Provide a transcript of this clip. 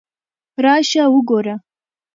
راشه وګوره!